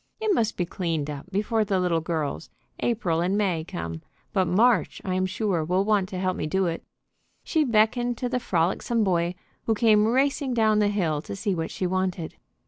It must be cleaned up before the little girls, April and May, come, but March I am sure will want to help me do it." She beckoned to the frolicsome boy who came racing down the hill to see what she wanted.